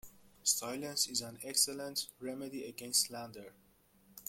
Silence is an excellent remedy against slander.